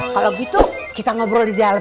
kalau gitu kita ngobrol di dalam